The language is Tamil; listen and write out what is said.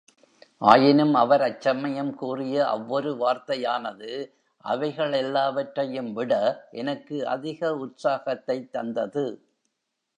ஆயினும் அவர் அச்சமயம் கூறிய அவ்வொரு வார்த்தையானது அவைகளெல்லாவற்றையும்விட எனக்கு அதிக உற்சாகத்தைத் தந்தது.